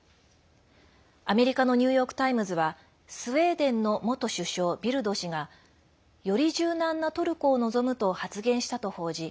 アメリカのニューヨーク・タイムズはスウェーデンの元首相ビルト氏がより柔軟なトルコを望むと発言したと報じ